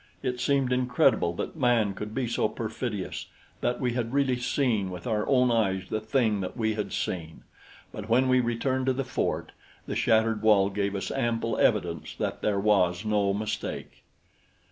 It seemed incredible that man could be so perfidious that we had really seen with our own eyes the thing that we had seen; but when we returned to the fort, the shattered wall gave us ample evidence that there was no mistake.